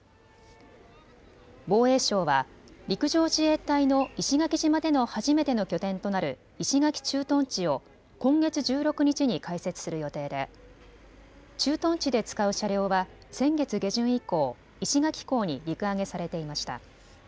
防衛省は陸上自衛隊の石垣島での初めての拠点となる石垣駐屯地を今月１６日に開設する予定で駐屯地で使う車両は先月下旬以降、石垣港に陸揚げされていました。